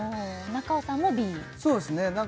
中尾さんもＢそうですね